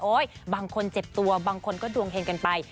บางคนเจ็บตัวบางคนก็ดวงเฮงกันไป